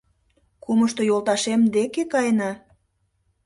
— Кумышто йолташем деке каена?